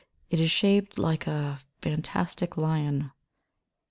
It is shaped like a fantastic lion.